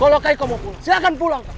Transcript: kalau kak iko mau pulang silahkan pulang kak